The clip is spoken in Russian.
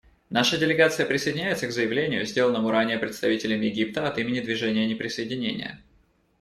Наша делегация присоединяется к заявлению, сделанному ранее представителем Египта от имени Движения неприсоединения.